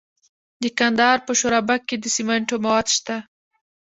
د کندهار په شورابک کې د سمنټو مواد شته.